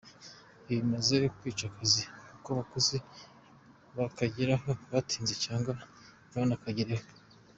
Ibi bimaze kwica akazi kuko abakozi bakageraho batinze, cyangwa ntibanakagereho.